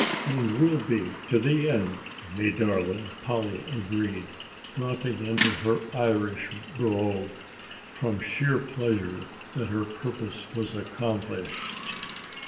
"And will be to the end, me darling," Polly agreed, dropping into her Irish brogue from sheer pleasure that her purpose was accomplished.